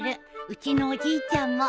うちのおじいちゃんも。